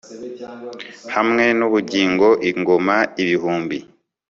hamwe n'ubugingo ingoma ibihumbi